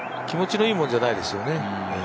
気持ちのいいもんじゃないですよね。